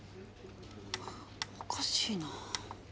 おかしいな。